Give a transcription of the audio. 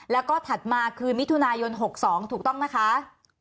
แล้วก็ถัดมาคือมิถุนายน๖๒ถูกต้องนะคะ